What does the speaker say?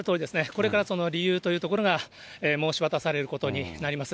これからその理由というところが申し渡されることになります。